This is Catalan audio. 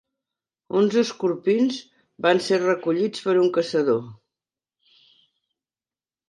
Onze escorpins van ser recollits per un caçador.